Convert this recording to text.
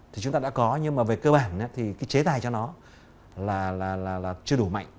thì chúng ta đã có nhưng mà về cơ bản thì cái chế tài cho nó là chưa đủ mạnh